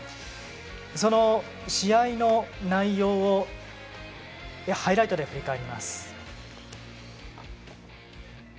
その試合の内容をハイライトで振り返ります。